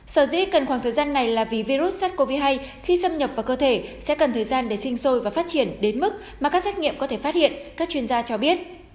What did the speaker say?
sở dĩ cần khoảng thời gian này là vì virus sars cov hai khi xâm nhập vào cơ thể sẽ cần thời gian để sinh sôi và phát triển đến mức mà các xét nghiệm có thể phát hiện các chuyên gia cho biết